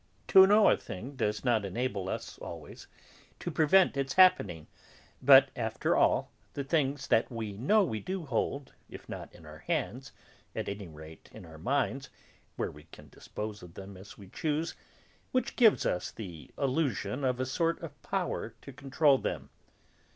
To know a thing does not enable us, always, to prevent its happening, but after all the things that we know we do hold, if not in our hands, at any rate in our minds, where we can dispose of them as we choose, which gives us the illusion of a sort of power to control them.